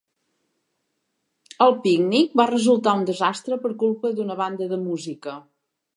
El pícnic va resultar un desastre per culpa d'una banda de música.